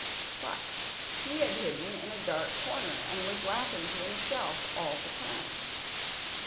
But he had hidden in a dark corner and was laughing to himself all the time.